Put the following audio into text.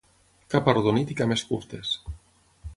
Cap arrodonit i cames curtes.